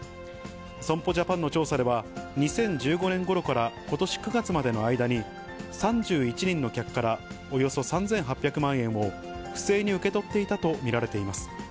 損保ジャパンの調査では、２０１５年ごろからことし９月までの間に、３１人の客からおよそ３８００万円を不正に受け取っていたと見られています。